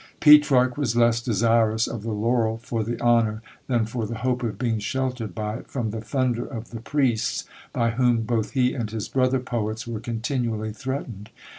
Petrarch was less desirous of the laurel for the honour, than for the hope of being sheltered by it from the thunder of the priests, by whom both he and his brother poets were continually threatened.